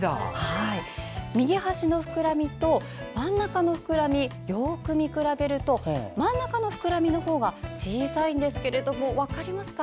右端の膨らみと真ん中の膨らみよく見比べると真ん中の膨らみの方が小さいんですけど分かりますか？